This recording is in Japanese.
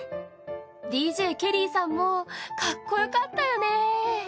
ＤＪＫＥＬＬＹさんもかっこよかったよね。